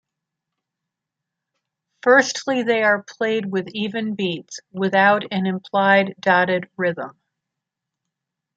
Firstly they are played with even beats, without an implied dotted rhythm.